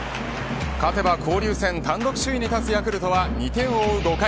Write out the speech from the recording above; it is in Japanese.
勝てば交流戦単独首位に立つヤクルトは２点を追う５回。